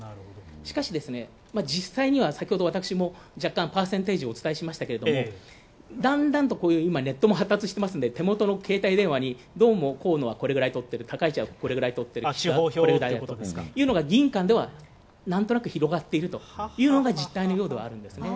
しかし、実際には先ほど、私も若干パーセンテージをお伝えしましたけれども、だんだんネットも発達してますんで、手元の携帯で、どうも河野はこれぐらい取ってる、高市はこれぐらい取っていると議員間ではなんとなく広がっているというのが実態のようではあるんですね。